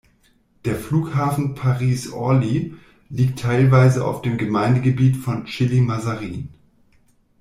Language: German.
Der Flughafen Paris-Orly liegt teilweise auf dem Gemeindegebiet von Chilly-Mazarin.